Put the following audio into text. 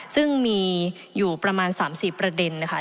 ซึ่งมีอยู่ประมาณ๓๔ประเด็นนะคะ